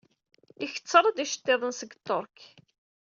Iketter-d iceḍḍiḍen seg Ṭṭerk.